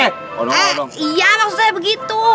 eh iya maksudnya begitu